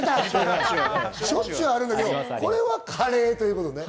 と、しょっちゅうあるんだけれども、これは加齢ということね。